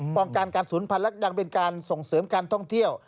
ป้องกันการศูนย์พันธุ์และดังเป็นการส่งเสริมการท่องเที่ยว